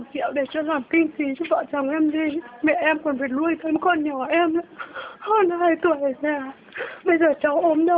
khi trốn sang nước ngoài người lao động sẽ phải đối diện với vô vàn nguy cơ